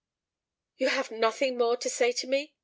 "You have nothing more to say to me?"